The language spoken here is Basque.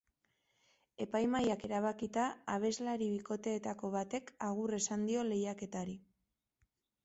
Epaimahaiak erabakita, abeslari bikoteetako batek agur esango dio lehiaketari.